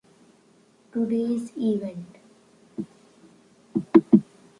She has been invited to speak at different international events.